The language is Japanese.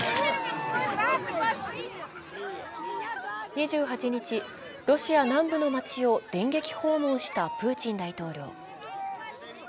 ２８日、ロシア南部の街を電撃訪問したプーチン大統領。